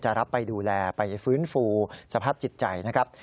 รับไปดูแลไปฟื้นฟูสภาพจิตใจนะครับ